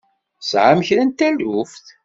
Tesɛam kra n taluft?